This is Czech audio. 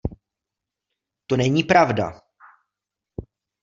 To není pravda.